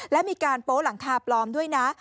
และมีการโป๊หลังคาปลอมด้วยนะ